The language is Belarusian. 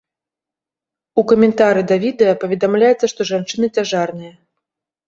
У каментары да відэа паведамляецца, што жанчына цяжарная.